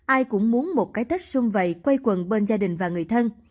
ai cũng muốn một cái tết xung vầy quay quần bên gia đình và người thân